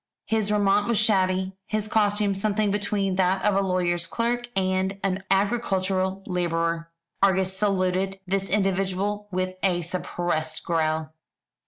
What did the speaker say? His raiment was shabby; his costume something between that of a lawyer's clerk and an agricultural labourer. Argus saluted this individual with a suppressed growl.